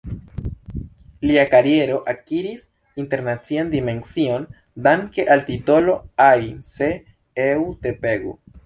Lia kariero akiris internacian dimension danke al titolo "Ai se eu te pego".